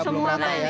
belum rata ya